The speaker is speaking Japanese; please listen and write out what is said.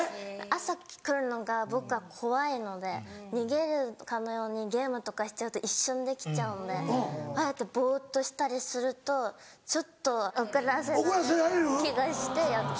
朝来るのが僕は怖いので逃げるかのようにゲームとかしちゃうと一瞬で来ちゃうのであえてぼっとしたりするとちょっと遅らせられる気がしてやったり。